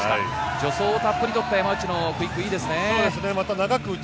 助走たっぷり取った山内のクイック、いいですね。